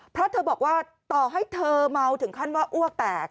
เพราะเธอบอกว่าต่อให้เธอเมาถึงขั้นว่าอ้วกแตก